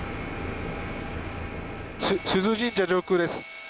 須須神社上空です。